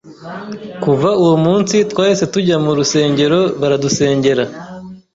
Kuva uwo munsi twahise tujya mu rusengero baradusengera,